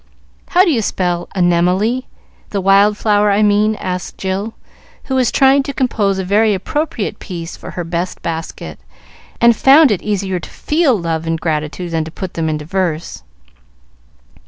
"How do you spell anemoly the wild flower, I mean?" asked Jill, who was trying to compose a very appropriate piece for her best basket, and found it easier to feel love and gratitude than to put them into verse.